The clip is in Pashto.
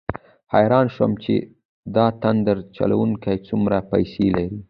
حیران شوم چې د تاند چلوونکي څومره پیسې لري.